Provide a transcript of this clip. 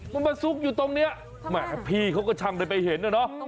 มันมาซุกอยู่ตรงนี้แหมพี่เขาก็ช่างได้ไปเห็นนะเนาะ